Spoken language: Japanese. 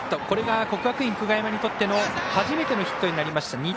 これが、国学院久我山にとっての初めてのヒットになりました。